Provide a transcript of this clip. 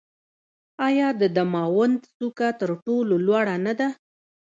آیا د دماوند څوکه تر ټولو لوړه نه ده؟